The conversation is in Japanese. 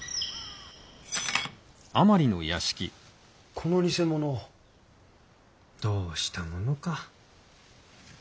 この偽物どうしたものか。